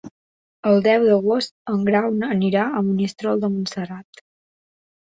El deu d'agost en Grau anirà a Monistrol de Montserrat.